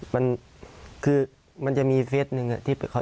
มันคือมันจะมีเฟสนึงอ่ะ